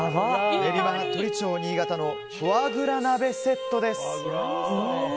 練馬鳥長・新潟のフォアグラ鍋セットです。